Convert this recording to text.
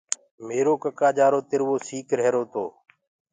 ميرو سيوٽ تِروو سيٚڪ رهيرو تو۔